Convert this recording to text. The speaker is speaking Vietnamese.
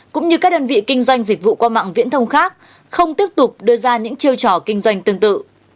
cũng như các đơn vị kinh doanh dịch vụ qua mạng viễn thông khác không tiếp tục đưa ra những chiêu trò kinh doanh tương tự